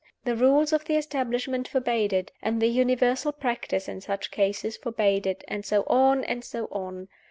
The rules of the establishment forbade it, and the universal practice in such cases forbade it, and so on, and so on.